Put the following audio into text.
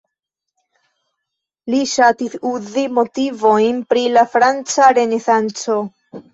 Li ŝatis uzi motivojn pri la franca renesanco.